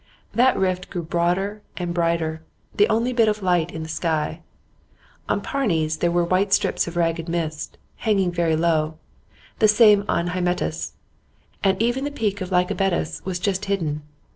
That rift grew broader and brighter the only bit of light in the sky. On Parnes there were white strips of ragged mist, hanging very low; the same on Hymettus, and even the peak of Lycabettus was just hidden.